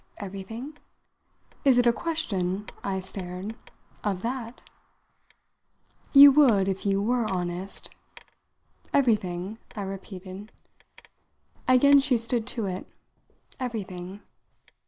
"Everything? Is it a question" I stared "of that?" "You would if you were honest." "Everything?" I repeated. Again she stood to it. "Everything."